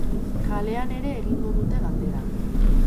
Kalean ere egingo dute galdera.